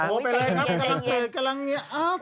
โทรไปเลยครับกำลังเกิดกำลังเก้าเจ็ด